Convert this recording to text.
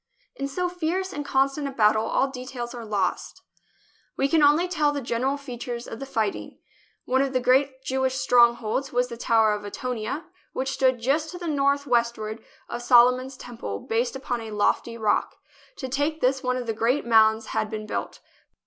In so fierce and constant a battle all details are lost. We can only tell the general features of the fighting. One of the great Jewish strongholds was the Tower of Antonia, which stood just to the northwestward of Solomon's Temple, based upon a lofty rock. To take this, one of the great mounds had been built.